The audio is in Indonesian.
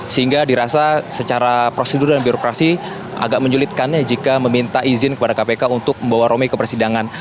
sehingga dirasa secara prosedur dan birokrasi agak menyulitkan jika meminta izin kepada kpk untuk membawa romi ke persidangan